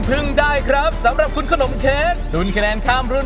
รักรักกันนะหัวใจมันอยากเสนอ